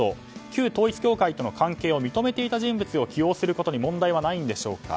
旧統一教会との関係を認めていた人物を起用することに問題はないんでしょうか。